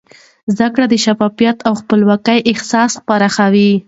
زده کړه د شفافیت او د خپلواکۍ احساس پراخوي.